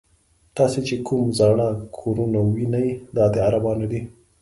تاسې چې کوم زاړه کورونه وینئ دا د عربانو دي.